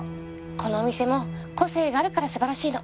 このお店も個性があるからすばらしいの。